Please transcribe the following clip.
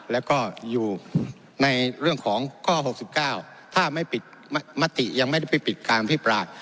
แล้วก็อยู่ในเรื่องของข้อ๖๙ถ้าไม่ปิดมติยังไม่ได้ไปปิดการอภิปราย